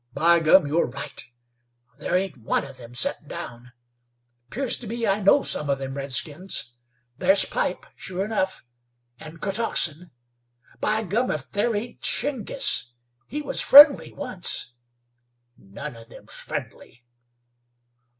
"By gum! You're right. There ain't one of them settin' down. 'Pears to me I know some of them redskins. There's Pipe, sure enough, and Kotoxen. By gum! If there ain't Shingiss; he was friendly once." "None of them's friendly."